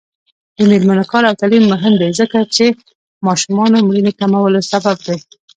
د میرمنو کار او تعلیم مهم دی ځکه چې ماشومانو مړینې کمولو سبب دی.